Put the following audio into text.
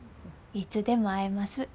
いつでも会えます。